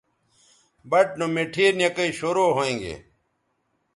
بَٹ نو مٹھے نکئ شروع ھویں گے